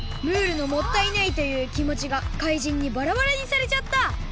ムールの「もったいない」というきもちがかいじんにバラバラにされちゃった！